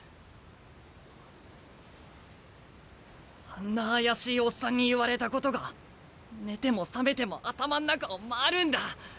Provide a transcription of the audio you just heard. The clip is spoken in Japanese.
あんな怪しいオッサンに言われたことが寝ても覚めても頭ん中を回るんだ。